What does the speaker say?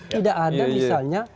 tidak ada misalnya